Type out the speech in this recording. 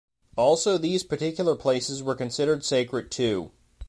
Also these particular places were considered sacred too.